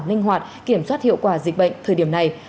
linh hoạt kiểm soát hiệu quả dịch bệnh thời điểm này